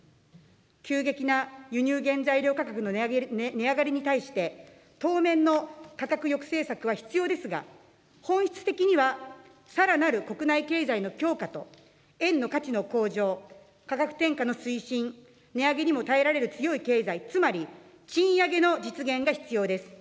急激な輸入原材料価格の値上がりに対して、当面の価格抑制策は必要ですが、本質的にはさらなる国内経済の強化と円の価値の向上、価格転嫁の推進、値上げにも耐えられる強い経済、つまり、賃上げの実現が必要です。